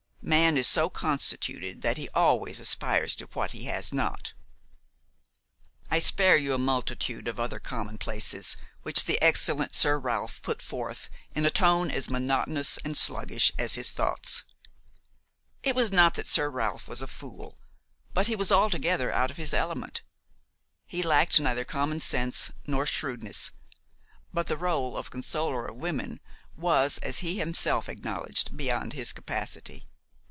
Man is so constituted that he always aspires to what he has not." I spare you a multitude of other commonplaces which the excellent Sir Ralph put forth in a tone as monotonous and sluggish as his thoughts. It was not that Sir Ralph was a fool, but he was altogether out of his element. He lacked neither common sense nor shrewdness; but the role of consoler of women was, as he himself acknowledged, beyond his capacity.